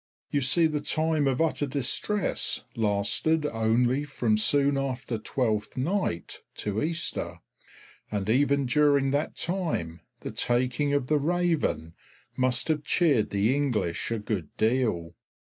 You see the time of utter distress lasted only from soon after Twelfth night to Easter, and even during that time the taking of the Raven must have cheered the English a good deal.